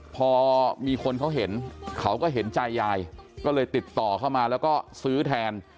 พอมีคนเขาเห็นเขาก็เห็นใจยายก็เลยติดต่อเข้ามาแล้วก็ซื้อแทน